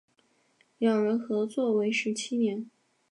两人合作为时七年。